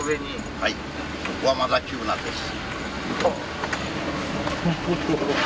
はいここはまだ急なんです。